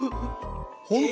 本当？